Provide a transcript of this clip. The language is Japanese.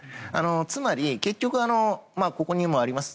つまり、結局ここにもあります